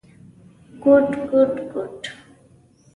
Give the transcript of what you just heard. کوټ کوټ کوت…